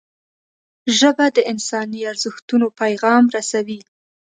ژبه د انساني ارزښتونو پیغام رسوي